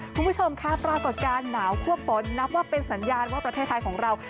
คุณผู้ชมค่ะปรากฏการณ์หนาวคั่วฝนนับว่าเป็นสัญญาณว่าประเทศไทยของเรา